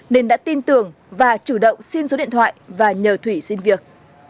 nên đã tin tưởng và chủ động xin số điện thoại và nhờ thủy xin việc